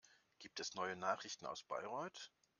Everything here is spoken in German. Gibt es neue Nachrichten aus Bayreuth?